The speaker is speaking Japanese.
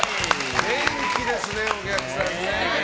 元気ですね、お客さんね。